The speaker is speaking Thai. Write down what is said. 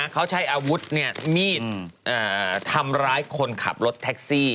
เขาใช้อาวุธมีดทำร้ายคนขับรถแท็กซี่